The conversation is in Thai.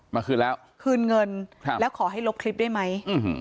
มาคืนแล้วคืนเงินแล้วขอให้ลบคลิปได้ไหม